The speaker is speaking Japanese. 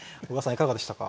いかがでしたか？